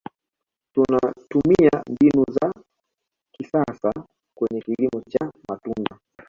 tunatumia mbinu za kisasa kwenye kilimo cha matunda